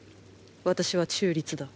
私は中立だ。